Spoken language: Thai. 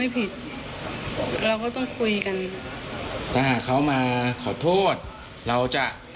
ก็จะให้น้องสบายใจให้ลูกสบายใจ